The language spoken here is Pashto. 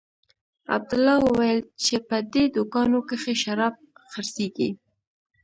عبدالله وويل چې په دې دوکانو کښې شراب خرڅېږي.